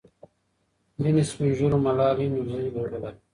ځینې سپین ږیرو ملالۍ نورزۍ وبلله.